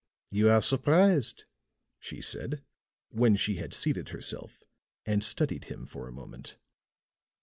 "You are surprised," she said, when she had seated herself and studied him for a moment.